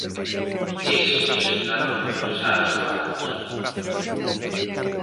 Eses pisos levan moitos anos parados.